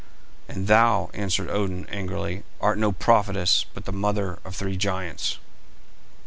"And thou," answered Odin angrily, "art no prophetess, but the mother of three giants."